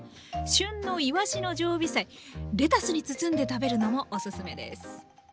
旬のいわしの常備菜レタスに包んで食べるのもお勧めです。